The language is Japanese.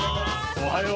おはよう。